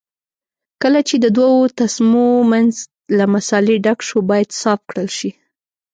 کله چې د دوو تسمو منځ له مسالې ډک شو باید صاف کړل شي.